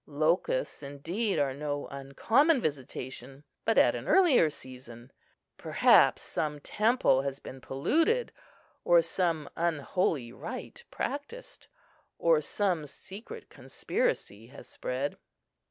Locusts, indeed, are no uncommon visitation, but at an earlier season. Perhaps some temple has been polluted, or some unholy rite practised, or some secret conspiracy has spread.